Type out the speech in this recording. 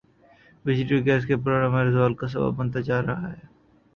بجلی اور گیس کا بحران ہمارے زوال کا سبب بنتا جا رہا ہے